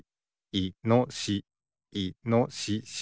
いのしし。